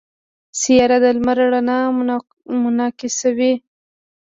سیاره د لمر رڼا منعکسوي.